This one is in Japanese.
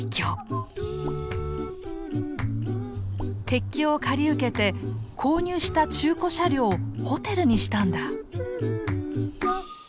鉄橋を借り受けて購入した中古車両をホテルにしたんだ。